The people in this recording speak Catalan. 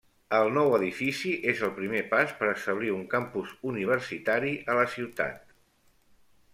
El nou edifici és el primer pas per establir un Campus Universitari a la ciutat.